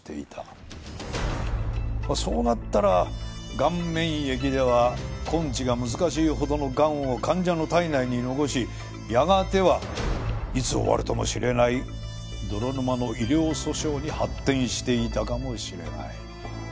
まあそうなったらがん免疫では根治が難しいほどのがんを患者の体内に残しやがてはいつ終わるとも知れない泥沼の医療訴訟に発展していたかもしれない。